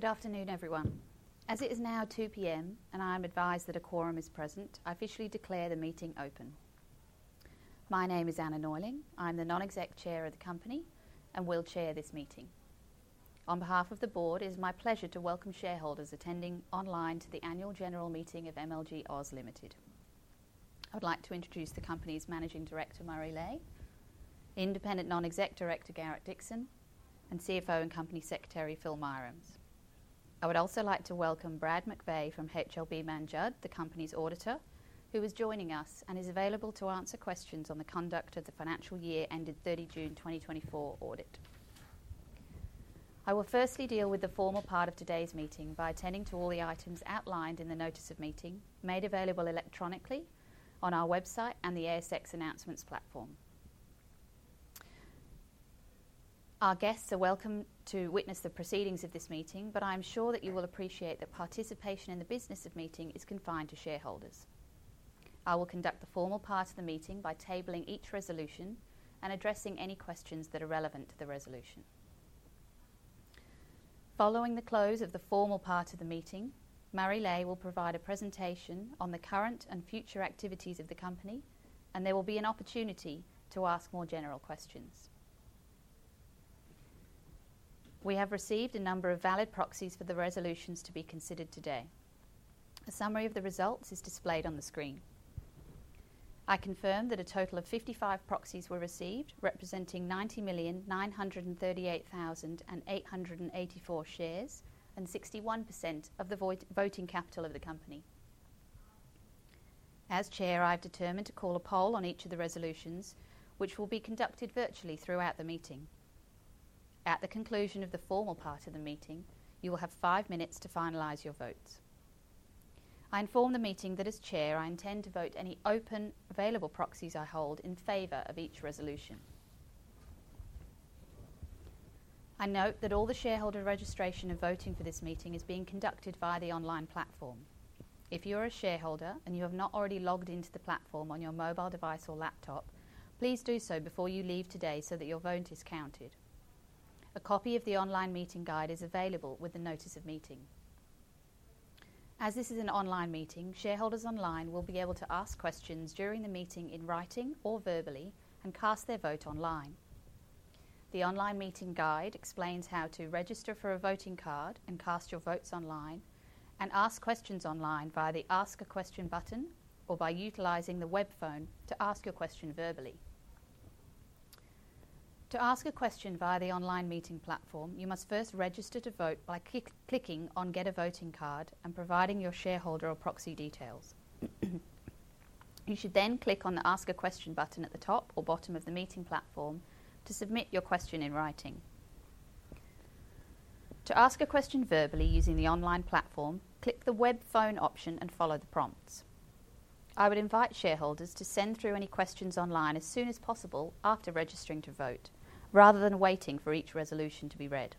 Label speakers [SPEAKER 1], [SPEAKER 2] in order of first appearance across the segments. [SPEAKER 1] Good afternoon, everyone. As it is now 2:00 P.M., and I am advised that a quorum is present, I officially declare the meeting open. My name is Anna Neuling. I'm the Non-Executive Chair of the company and will chair this meeting. On behalf of the board, it is my pleasure to welcome shareholders attending online to the Annual General Meeting of MLG Oz Limited. I would like to introduce the company's Managing Director, Murray Leahy, Independent Non-Executive Director, Garrett Dixon, and Chief Financial Officer and Company Secretary, Phil Mirams. I would also like to welcome Brad McVeigh from HLB Mann Judd, the company's auditor, who is joining us and is available to answer questions on the conduct of the financial year-ended 30 June 2024 audit. I will firstly deal with the formal part of today's meeting by attending to all the items outlined in the Notice of Meeting, made available electronically on our website and the ASX announcements platform. Our guests are welcome to witness the proceedings of this meeting, but I am sure that you will appreciate that participation in the business of meeting is confined to shareholders. I will conduct the formal part of the meeting by tabling each resolution and addressing any questions that are relevant to the resolution. Following the close of the formal part of the meeting, Murray Leahy will provide a presentation on the current and future activities of the company, and there will be an opportunity to ask more general questions. We have received a number of valid proxies for the resolutions to be considered today. A summary of the results is displayed on the screen. I confirm that a total of 55 proxies were received, representing 90,938,884 shares and 61% of the voting capital of the company. As Chair, I've determined to call a poll on each of the resolutions, which will be conducted virtually throughout the meeting. At the conclusion of the formal part of the meeting, you will have five minutes to finalize your votes. I inform the meeting that, as Chair, I intend to vote any open available proxies I hold in favor of each resolution. I note that all the shareholder registration and voting for this meeting is being conducted via the online platform. If you are a shareholder and you have not already logged into the platform on your mobile device or laptop, please do so before you leave today so that your vote is counted. A copy of the online meeting guide is available with the Notice of meeting. As this is an online meeting, shareholders online will be able to ask questions during the meeting in writing or verbally and cast their vote online. The online meeting guide explains how to register for a voting card and cast your votes online and ask questions online via the Ask a Question button or by utilizing the web phone to ask your question verbally. To ask a question via the online meeting platform, you must first register to vote by clicking on Get a Voting Card and providing your shareholder or proxy details. You should then click on the Ask a Question button at the top or bottom of the meeting platform to submit your question in writing. To ask a question verbally using the online platform, click the web phone option and follow the prompts. I would invite shareholders to send through any questions online as soon as possible after registering to vote, rather than waiting for each resolution to be read.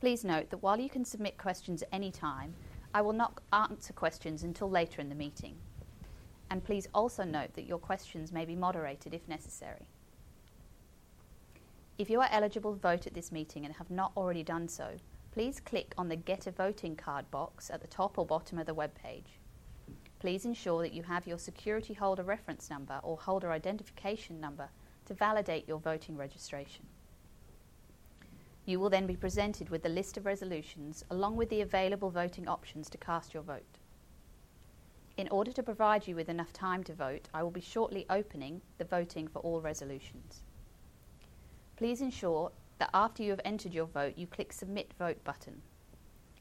[SPEAKER 1] Please note that while you can submit questions at any time, I will not answer questions until later in the meeting. And please also note that your questions may be moderated if necessary. If you are eligible to vote at this meeting and have not already done so, please click on the Get a Voting Card box at the top or bottom of the web page. Please ensure that you have your Securityholder Reference Number or Holder Identification Number to validate your voting registration. You will then be presented with the list of resolutions along with the available voting options to cast your vote. In order to provide you with enough time to vote, I will be shortly opening the voting for all resolutions. Please ensure that after you have entered your vote, you click the Submit Vote button.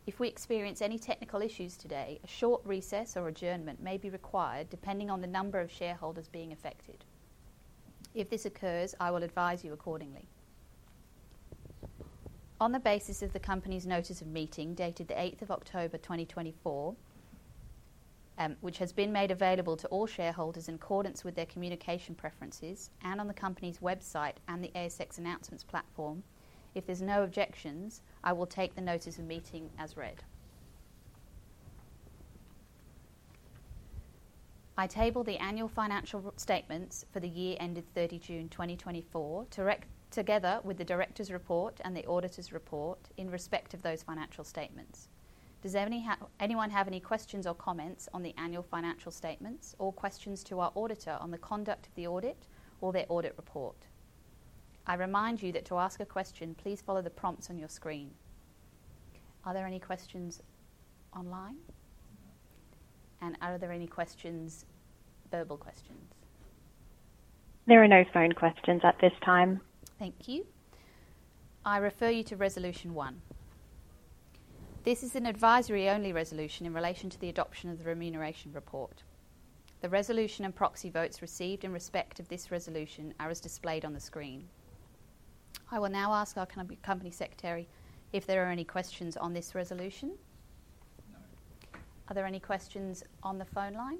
[SPEAKER 1] If we experience any technical issues today, a short recess or adjournment may be required depending on the number of shareholders being affected. If this occurs, I will advise you accordingly. On the basis of the company's Notice of Meeting dated the 8th of October 2024, which has been made available to all shareholders in accordance with their communication preferences and on the company's website and the ASX announcements platform, if there's no objections, I will take the Notice of Meeting as read. I table the annual financial statements for the year-ended 30 June 2024 together with the Directors' Report and the Auditor's Report in respect of those financial statements. Does anyone have any questions or comments on the annual financial statements or questions to our auditor on the conduct of the audit or their audit report? I remind you that to ask a question, please follow the prompts on your screen. Are there any questions online, and are there any questions, verbal questions?
[SPEAKER 2] There are no phone questions at this time.
[SPEAKER 1] Thank you. I refer you to resolution one. This is an advisory-only resolution in relation to the adoption of the Remuneration Report. The resolution and proxy votes received in respect of this resolution are as displayed on the screen. I will now ask our company secretary if there are any questions on this resolution.
[SPEAKER 3] No.
[SPEAKER 1] Are there any questions on the phone line?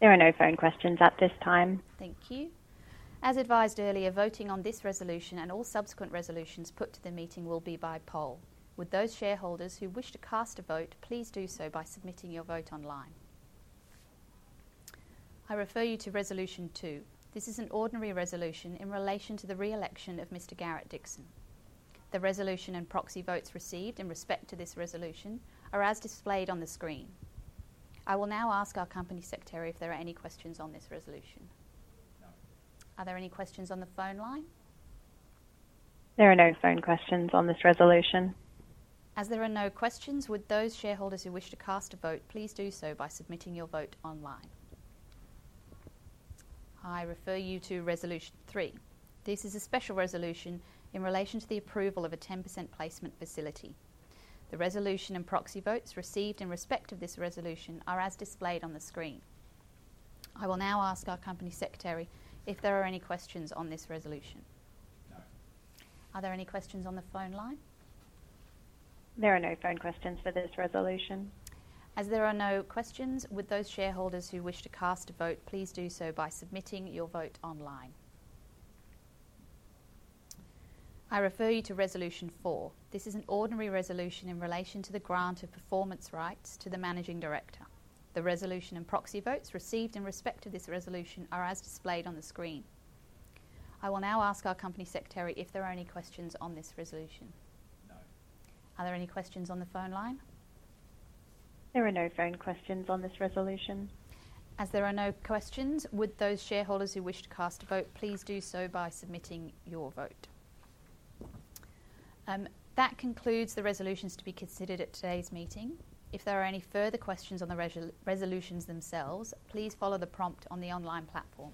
[SPEAKER 2] There are no phone questions at this time.
[SPEAKER 1] Thank you. As advised earlier, voting on this resolution and all subsequent resolutions put to the meeting will be by poll. Would those shareholders who wish to cast a vote, please do so by submitting your vote online. I refer you to resolution two. This is an ordinary resolution in relation to the re-election of Mr. Garrett Dixon. The resolution and proxy votes received in respect to this resolution are as displayed on the screen. I will now ask our company secretary if there are any questions on this resolution.
[SPEAKER 3] No.
[SPEAKER 1] Are there any questions on the phone line?
[SPEAKER 2] There are no phone questions on this resolution.
[SPEAKER 1] As there are no questions, would those shareholders who wish to cast a vote, please do so by submitting your vote online. I refer you to resolution three. This is a special resolution in relation to the approval of a 10% placement facility. The resolution and proxy votes received in respect of this resolution are as displayed on the screen. I will now ask our company secretary if there are any questions on this resolution.
[SPEAKER 3] No.
[SPEAKER 1] Are there any questions on the phone line?
[SPEAKER 2] There are no phone questions for this resolution.
[SPEAKER 1] As there are no questions, would those shareholders who wish to cast a vote, please do so by submitting your vote online. I refer you to resolution four. This is an ordinary resolution in relation to the grant of performance rights to the Managing Director. The resolution and proxy votes received in respect of this resolution are as displayed on the screen. I will now ask our Company Secretary if there are any questions on this resolution.
[SPEAKER 3] No.
[SPEAKER 1] Are there any questions on the phone line?
[SPEAKER 2] There are no phone questions on this resolution.
[SPEAKER 1] As there are no questions, would those shareholders who wish to cast a vote, please do so by submitting your vote. That concludes the resolutions to be considered at today's meeting. If there are any further questions on the resolutions themselves, please follow the prompt on the online platform.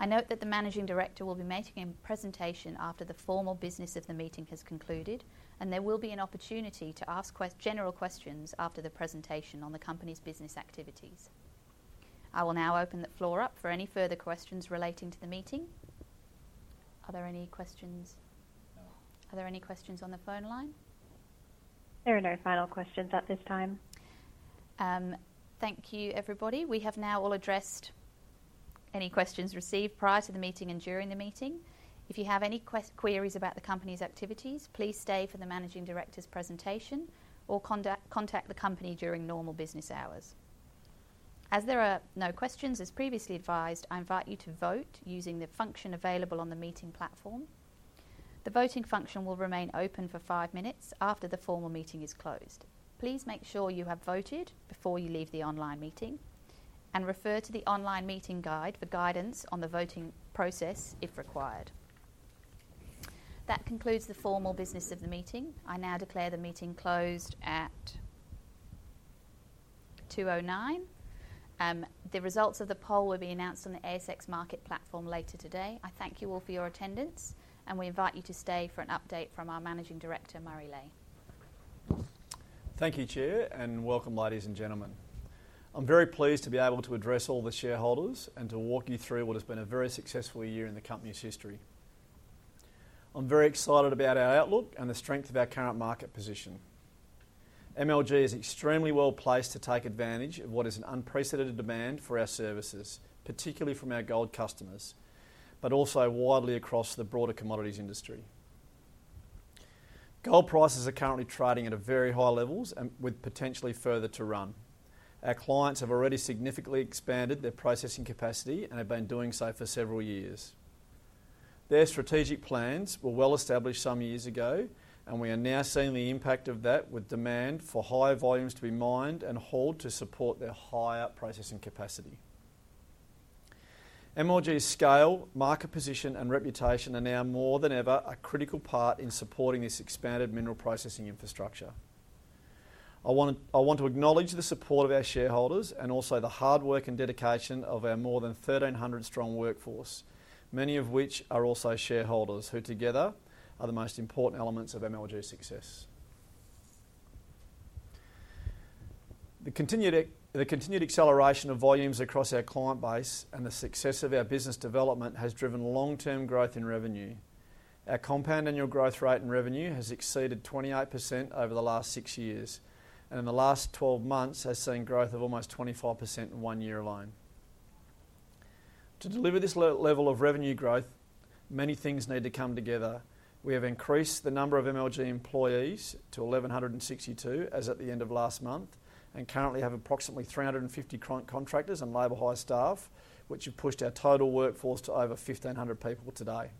[SPEAKER 1] I note that the Managing Director will be making a presentation after the formal business of the meeting has concluded, and there will be an opportunity to ask general questions after the presentation on the company's business activities. I will now open the floor up for any further questions relating to the meeting. Are there any questions?
[SPEAKER 3] No.
[SPEAKER 1] Are there any questions on the phone line?
[SPEAKER 2] There are no final questions at this time.
[SPEAKER 1] Thank you, everybody. We have now all addressed any questions received prior to the meeting and during the meeting. If you have any queries about the company's activities, please stay for the Managing Director's presentation or contact the company during normal business hours. As there are no questions, as previously advised, I invite you to vote using the function available on the meeting platform. The voting function will remain open for five minutes after the formal meeting is closed. Please make sure you have voted before you leave the online meeting and refer to the online meeting guide for guidance on the voting process if required. That concludes the formal business of the meeting. I now declare the meeting closed at 2:09 P.M. The results of the poll will be announced on the ASX market platform later today. I thank you all for your attendance, and we invite you to stay for an update from our Managing Director, Murray Leahy.
[SPEAKER 4] Thank you, Chair, and welcome, ladies and gentlemen. I'm very pleased to be able to address all the shareholders and to walk you through what has been a very successful year in the company's history. I'm very excited about our outlook and the strength of our current market position. MLG is extremely well placed to take advantage of what is an unprecedented demand for our services, particularly from our gold customers, but also widely across the broader commodities industry. Gold prices are currently trading at a very high level with potentially further to run. Our clients have already significantly expanded their processing capacity and have been doing so for several years. Their strategic plans were well established some years ago, and we are now seeing the impact of that with demand for higher volumes to be mined and hauled to support their higher processing capacity. MLG's scale, market position, and reputation are now more than ever a critical part in supporting this expanded mineral processing infrastructure. I want to acknowledge the support of our shareholders and also the hard work and dedication of our more than 1,300-strong workforce, many of which are also shareholders who together are the most important elements of MLG's success. The continued acceleration of volumes across our client base and the success of our business development has driven long-term growth in revenue. Our compound annual growth rate and revenue has exceeded 28% over the last six years, and in the last 12 months, has seen growth of almost 25% in one year alone. To deliver this level of revenue growth, many things need to come together. We have increased the number of MLG employees to 1,162 as at the end of last month and currently have approximately 350 current contractors and labour hire staff, which have pushed our total workforce to over 1,500 people today.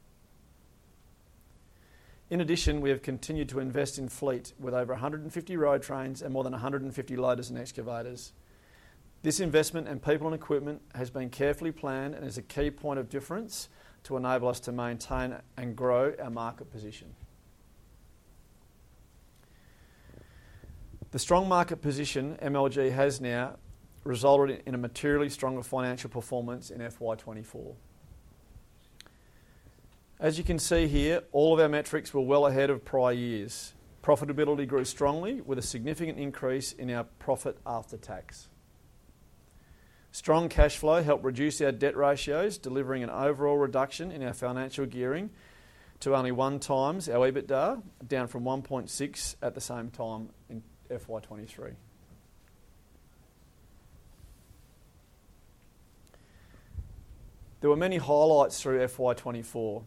[SPEAKER 4] In addition, we have continued to invest in fleet with over 150 road trains and more than 150 loaders and excavators. This investment in people and equipment has been carefully planned and is a key point of difference to enable us to maintain and grow our market position. The strong market position MLG has now resulted in a materially stronger financial performance in FY 2024. As you can see here, all of our metrics were well ahead of prior years. Profitability grew strongly with a significant increase in our profit after tax. Strong cash flow helped reduce our debt ratios, delivering an overall reduction in our financial gearing to only one times our EBITDA, down from 1.6 at the same time in FY 2023. There were many highlights through FY 2024,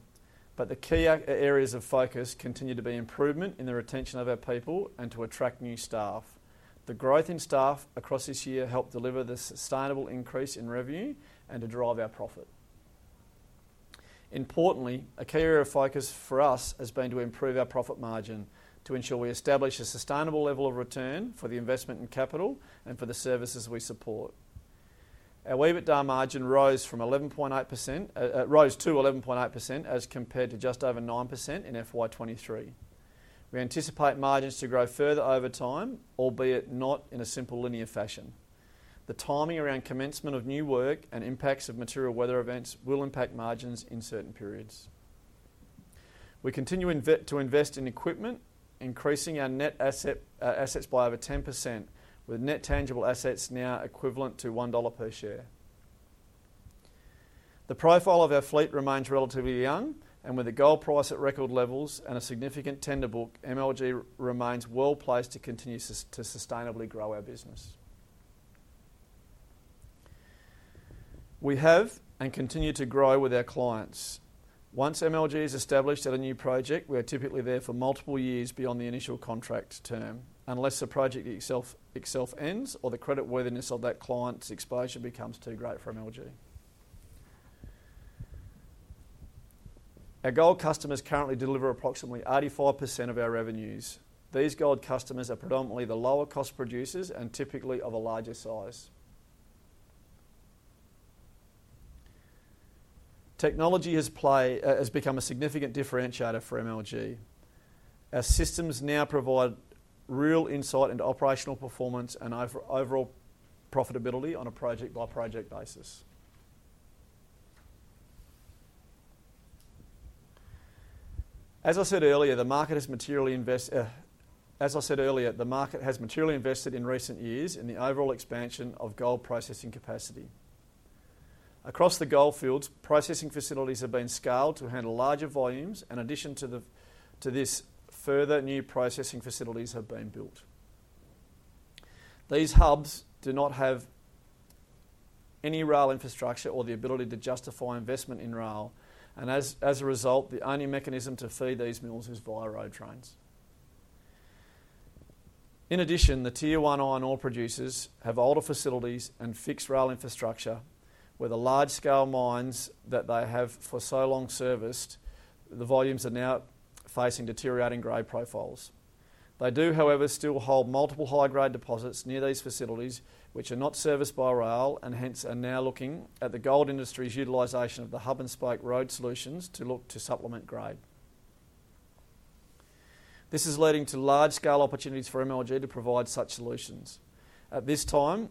[SPEAKER 4] but the key areas of focus continue to be improvement in the retention of our people and to attract new staff. The growth in staff across this year helped deliver the sustainable increase in revenue and to drive our profit. Importantly, a key area of focus for us has been to improve our profit margin to ensure we establish a sustainable level of return for the investment in capital and for the services we support. Our EBITDA margin rose to 11.8% as compared to just over 9% in FY 2023. We anticipate margins to grow further over time, albeit not in a simple linear fashion. The timing around commencement of new work and impacts of material weather events will impact margins in certain periods. We continue to invest in equipment, increasing our net assets by over 10%, with net tangible assets now equivalent to $1 per share. The profile of our fleet remains relatively young, and with the gold price at record levels and a significant tender book, MLG remains well placed to continue to sustainably grow our business. We have and continue to grow with our clients. Once MLG is established at a new project, we are typically there for multiple years beyond the initial contract term, unless the project itself ends or the creditworthiness of that client's exposure becomes too great for MLG. Our gold customers currently deliver approximately 85% of our revenues. These gold customers are predominantly the lower-cost producers and typically of a larger size. Technology has become a significant differentiator for MLG. Our systems now provide real insight into operational performance and overall profitability on a project-by-project basis. As I said earlier, the market has materially invested in recent years in the overall expansion of gold processing capacity. Across the Goldfields, processing facilities have been scaled to handle larger volumes, and in addition to this, further new processing facilities have been built. These hubs do not have any rail infrastructure or the ability to justify investment in rail, and as a result, the only mechanism to feed these mills is via road trains. In addition, the Tier-one iron ore producers have older facilities and fixed rail infrastructure, where the large-scale mines that they have for so long serviced, the volumes are now facing deteriorating grade profiles. They do, however, still hold multiple high-grade deposits near these facilities, which are not serviced by rail and hence are now looking at the gold industry's utilization of the hub-and-spoke road solutions to look to supplement grade. This is leading to large-scale opportunities for MLG to provide such solutions. At this time,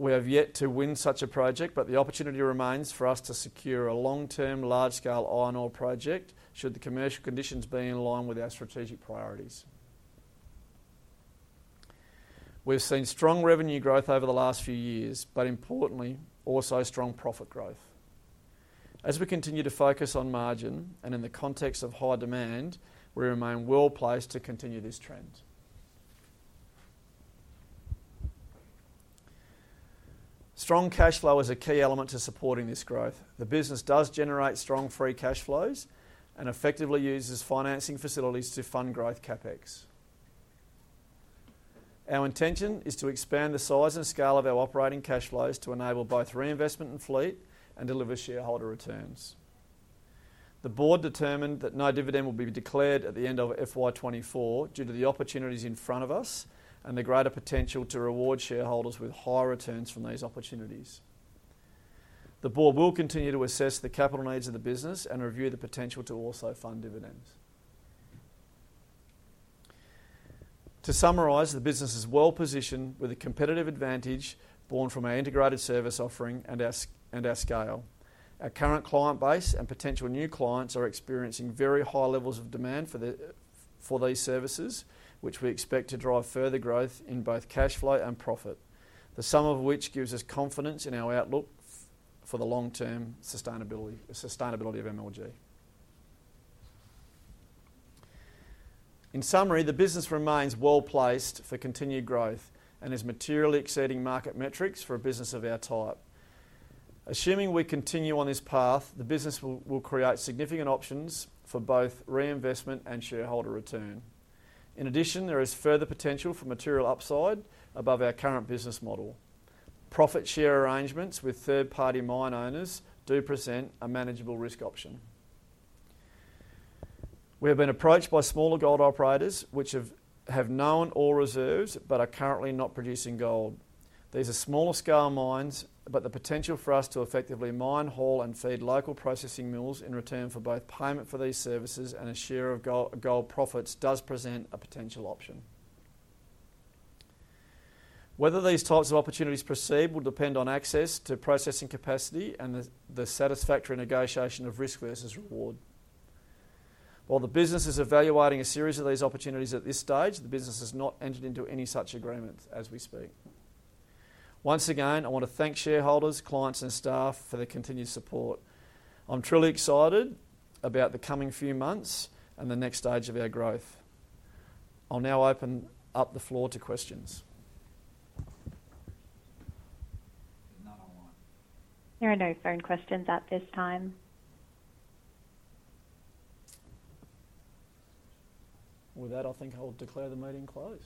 [SPEAKER 4] we have yet to win such a project, but the opportunity remains for us to secure a long-term large-scale iron ore project should the commercial conditions be in line with our strategic priorities. We've seen strong revenue growth over the last few years, but importantly, also strong profit growth. As we continue to focus on margin and in the context of high demand, we remain well placed to continue this trend. Strong cash flow is a key element to supporting this growth. The business does generate strong free cash flows and effectively uses financing facilities to fund growth CapEx. Our intention is to expand the size and scale of our operating cash flows to enable both reinvestment in fleet and deliver shareholder returns. The board determined that no dividend will be declared at the end of FY 2024 due to the opportunities in front of us and the greater potential to reward shareholders with higher returns from these opportunities. The board will continue to assess the capital needs of the business and review the potential to also fund dividends. To summarize, the business is well positioned with a competitive advantage born from our integrated service offering and our scale. Our current client base and potential new clients are experiencing very high levels of demand for these services, which we expect to drive further growth in both cash flow and profit, the sum of which gives us confidence in our outlook for the long-term sustainability of MLG. In summary, the business remains well placed for continued growth and is materially exceeding market metrics for a business of our type. Assuming we continue on this path, the business will create significant options for both reinvestment and shareholder return. In addition, there is further potential for material upside above our current business model. Profit-share arrangements with third-party mine owners do present a manageable risk option. We have been approached by smaller gold operators which have known ore reserves but are currently not producing gold. These are smaller-scale mines, but the potential for us to effectively mine, haul, and feed local processing mills in return for both payment for these services and a share of gold profits does present a potential option. Whether these types of opportunities proceed will depend on access to processing capacity and the satisfactory negotiation of risk versus reward. While the business is evaluating a series of these opportunities at this stage, the business has not entered into any such agreement as we speak. Once again, I want to thank shareholders, clients, and staff for their continued support. I'm truly excited about the coming few months and the next stage of our growth. I'll now open up the floor to questions.
[SPEAKER 2] There are no phone questions at this time.
[SPEAKER 4] With that, I think I'll declare the meeting closed.